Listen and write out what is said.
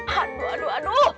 aduh aduh aduh